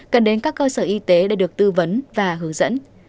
cần đến các cơ sở y tế để được tư vấn và hướng dẫn